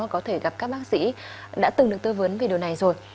có thể gặp các bác sĩ đã từng được tư vấn về điều này rồi